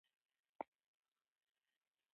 د هغوی فهم دغسې و.